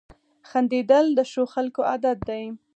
• خندېدل د ښو خلکو عادت دی.